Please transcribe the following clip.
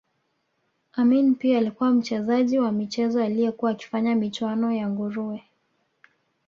Amin pia alikuwa mchezaji wa michezo aliyekuwa akifanya michuano ya nguruwe